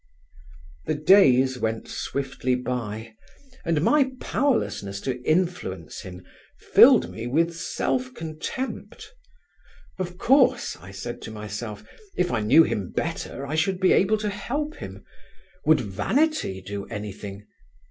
The days went swiftly by and my powerlessness to influence him filled me with self contempt. Of course, I said to myself, if I knew him better I should be able to help him. Would vanity do anything?